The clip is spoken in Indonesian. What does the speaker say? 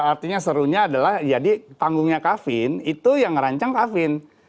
artinya serunya adalah jadi panggungnya kavin itu yang merancang kavin